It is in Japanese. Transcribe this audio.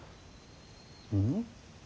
うん？